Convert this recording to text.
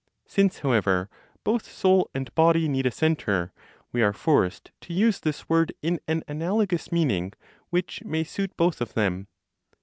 Since, however, both soul and body need a centre, we are forced to use this word in an analogous meaning which may suit both of them.